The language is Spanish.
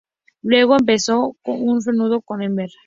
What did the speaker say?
Luego empezó un feudo con Mr.